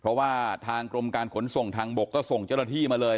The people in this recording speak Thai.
เพราะว่าทางกรมการขนส่งทางบกก็ส่งเจ้าหน้าที่มาเลย